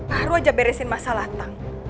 baru aja beresin masalah tang